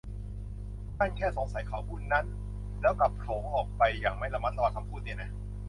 ท่านแค่สงสัยเขาผู้นั้น แล้วกลับโพล่งออกไปอย่างไม่ระมัดระวังคำพูดเนี่ยนะ